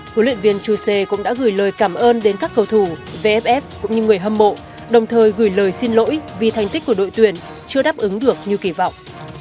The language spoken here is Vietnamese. huấn luyện viên chuse cũng đã gửi lời cảm ơn đến các cầu thủ vff cũng như người hâm mộ đồng thời gửi lời xin lỗi vì thành tích của đội tuyển chưa đáp ứng được như kỳ vọng